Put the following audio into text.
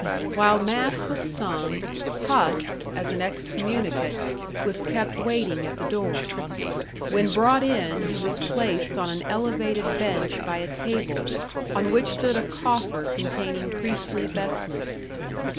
While mass was sung, Huss, as an excommunicate, was kept waiting at the door; when brought in he was placed on an elevated bench by a table on which stood a coffer containing priestly vestments.